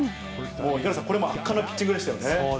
五十嵐さん、これも圧巻のピッチそうですね。